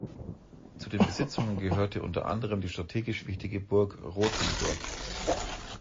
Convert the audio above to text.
Zu den Besitzungen gehörte unter anderen die strategisch wichtige Burg Rothenburg.